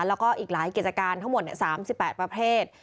แล้วก็อีกหลายกิจการทั้งหมด๓๘ประเภท